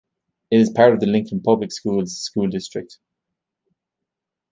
It is part of the Lincoln Public Schools school district.